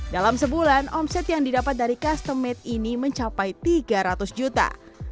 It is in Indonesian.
dalam sebulan omset yang didapat dari customade ini mencapai tiga ratus juta